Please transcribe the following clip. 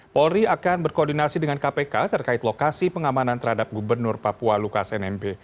polri akan berkoordinasi dengan kpk terkait lokasi pengamanan terhadap gubernur papua lukas nmb